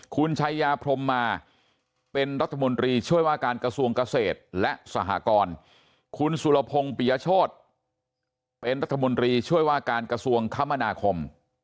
คุณชายาพรมมาเป็นรัฐมนตรีช่วยว่าการกระทรวงเกษตรและสหกรคุณสุรพงศ์ปียโชธเป็นรัฐมนตรีช่วยว่าการกระทรวงคมนาคม